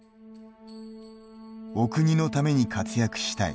お国のために活躍したい。